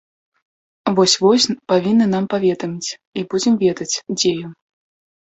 Вось-вось павінны нам паведаміць і будзем ведаць, дзе ён.